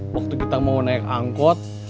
waktu kita mau naik angkot